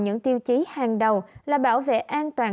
những tiêu chí hàng đầu là bảo vệ an toàn